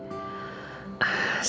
karena mereka mau bercerai